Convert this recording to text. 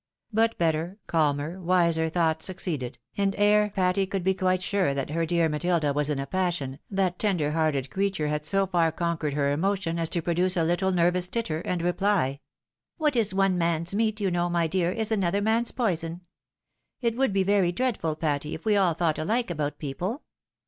But better, calmer, wiser, thoughts succeeded, and ere Patty could be quite sure that her dear Matilda was in a passion, that tender hearted creature had so far conquered her emotion, as to produce a little nervous titter, and reply, " What is one man's meat, you know, my dear, is another man's poison. It would be very dreadful, Patty, if we all thought alike about people.